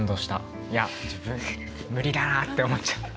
いや自分無理だなあって思っちゃった。